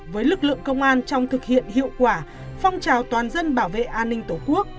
với lực lượng công an trong thực hiện hiệu quả phong trào toàn dân bảo vệ an ninh tổ quốc